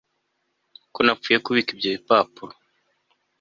ko napfuye kubika ibyo bipapuro